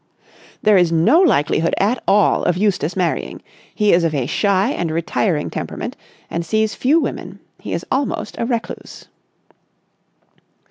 "There is no likelihood at all of Eustace marrying. He is of a shy and retiring temperament, and sees few women. He is almost a recluse."